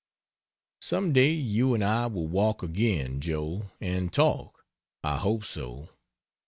Some day you and I will walk again, Joe, and talk. I hope so.